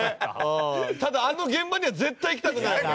ただあの現場には絶対行きたくない。